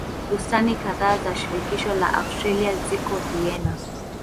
Bustani kadhaa za shirikisho la Austria ziko Vienna.